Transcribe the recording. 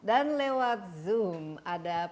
dan lewat zoom ada pak